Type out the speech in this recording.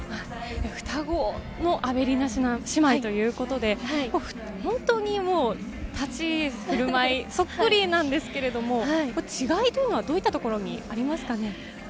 双子のアベリナ姉妹ということで、立ち振る舞いそっくりなんですけれども違いというのはどういったところにありますか？